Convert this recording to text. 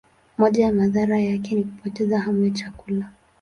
Moja ya madhara yake ni kupoteza hamu ya chakula.